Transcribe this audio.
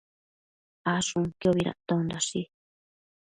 Ashunquiobi dactondashi